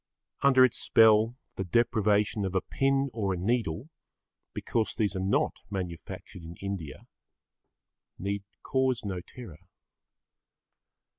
Under its spell the deprivation of a pin or a needle, because these are not manufactured in India, need cause no terror.